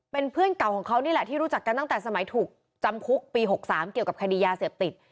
เป็นเพื่อนเก่าของเขานี่แหละที่รู้จักกันตั้งแต่สมัยถูกจำคุกปี๖๓เกี่ยวกับคดียาเสพติด